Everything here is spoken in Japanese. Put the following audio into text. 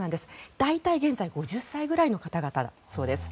大体、現在５０歳前後の方々だそうです。